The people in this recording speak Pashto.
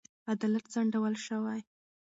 عدالت ځنډول شوی.